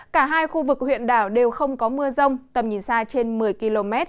cả hai khu vực huyện đảo đều không có mưa rông tầm nhìn xa trên một mươi km